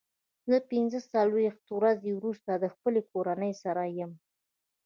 زه پنځه څلوېښت ورځې وروسته د خپلې کورنۍ سره یم.